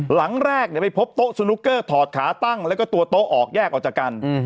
หลังแรกไปพบโต๊ะสนุกเกอร์ถอดขาตั้งแล้วก็ตัวโต๊ะออกแยกออกจากกัน